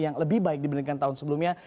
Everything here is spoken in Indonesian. yang lebih baik dibandingkan tahun sebelumnya